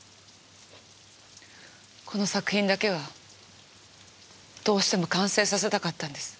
この作品だけはどうしても完成させたかったんです。